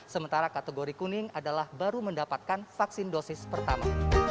sementara kategori kuning adalah baru mendapatkan vaksin dosis pertama